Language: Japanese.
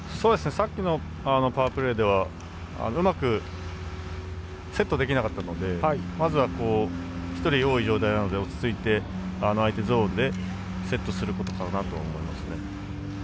さっきのパワープレーではうまくセットできなかったのでまずは１人多い状態で落ち着いて相手ゾーンでセットすることかなと思います。